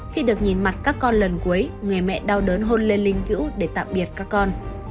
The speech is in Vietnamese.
khi được nhìn mặt các con lần cuối người mẹ đau đớn hôn lên linh cữu để tạm biệt các con